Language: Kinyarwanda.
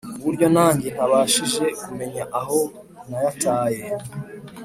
kuburyo nanjye ntabashije kumenya aho nayataye